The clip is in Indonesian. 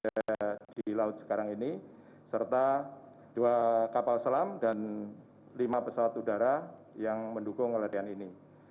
sehingga latihan kita tunda sekarang ini kita konsentrasikan untuk pencarian kapal selam